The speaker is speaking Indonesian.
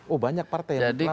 oh banyak partai yang